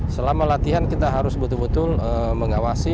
selama latihan kita harus betul betul mengawasi